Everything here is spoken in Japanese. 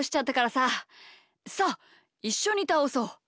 さあいっしょにたおそう。